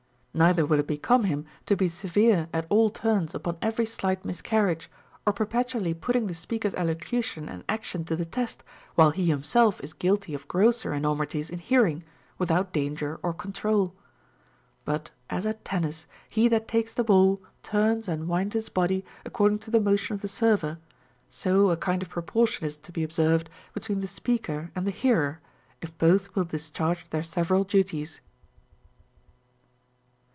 Neither will it become him to be severe at all turns upon every slight miscarriage or perpetually putting the speaker's elocution and action to the test, while he himself is guilty of grosser enormities in hear ing, without danger or control. But as at tennis he that takes the ball turns and winds his body according to the motion of the server, so a kind of proportion is to be observed between the speaker and the hearer, if both will discharge their several duties.